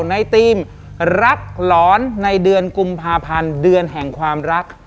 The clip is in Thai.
ในทีมรักหลอนในเดือนกุมภาพันธ์เดือนแห่งความรัก